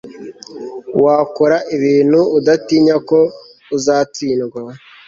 Wakora ibintu udatinya ko uzatsindwa